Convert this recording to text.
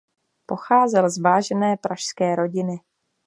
Pocházel z vážené pražské rodiny.